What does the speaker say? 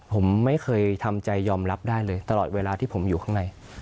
ผมไม่เคยทำใจยอมรับได้เลยตลอดเวลาที่ผมอยู่ข้างใน